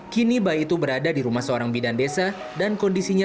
kini bayi itu berada di rumah seorang bidan desa dan kondisinya